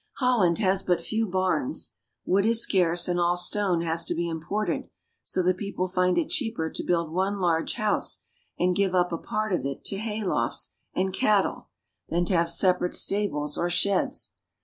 Holland has but few barns. Wood is scarce, and all stone has to be imported, so the people find it cheaper to build one large house, and give up a part of it to hay lofts A COUNTRY BELOW THE SEA. I4I and cattle, than to have separate stables or sheds.